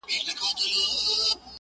پر ذهن مي را اوري ستا ګلاب ګلاب یادونه،